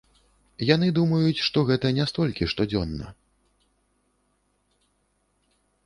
Яны думаюць, што гэта не столькі штодзённа.